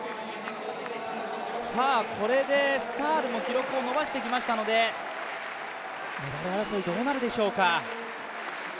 さあ、これでスタールも記録を伸ばしてきましたのでどうなるでしょうか。